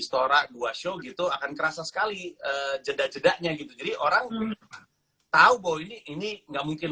stora dua show gitu akan kerasa sekali jeda jedanya gitu jadi orang tahu bahwa ini ini nggak mungkin